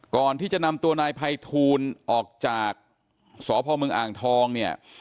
ก่อนที่จะนำตัวนายภัยทูลออกจากสพเมืองอ่างทองเนี่ย